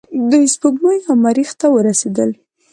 دوی سپوږمۍ او مریخ ته ورسیدل.